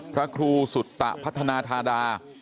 พระครูสุตพัฒนาธาดา